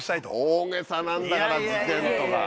大げさなんだから事件とか。